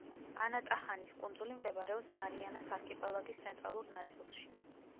ანატაჰანის კუნძული მდებარეობს მარიანას არქიპელაგის ცენტრალურ ნაწილში.